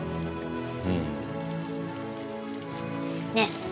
うん。ねえ！